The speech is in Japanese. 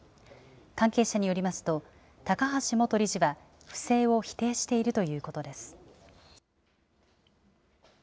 関係者によりますと、高橋元理事は、不正を否定しているということです。